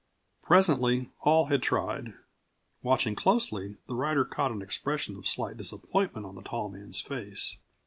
Presently all had tried. Watching closely, the rider caught an expression of slight disappointment on the tall man's face.